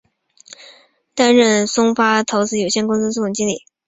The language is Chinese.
担任松发陶瓷有限公司总经理。